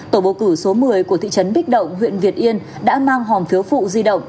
tổ bầu cử số một mươi của thị trấn bích động huyện việt yên đã mang hòm phiếu phụ di động